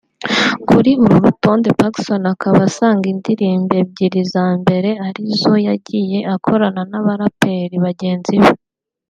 Kuri uru rutonde Pacson akaba asanga indirimbo ebyiri za mbere ari izo yagiye akorana n’abaraperi bagenzi be